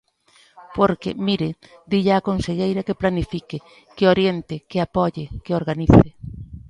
Porque, mire: dille á conselleira que planifique, que oriente, que apoie, que organice.